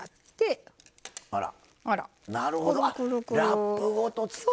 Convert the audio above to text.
ラップごと包む。